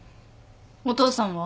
お父さんは？